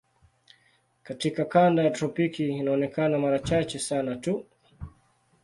Katika kanda ya tropiki inaonekana mara chache sana tu.